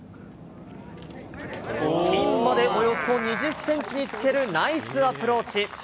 ピンまでおよそ２０センチにつけるナイスアプローチ。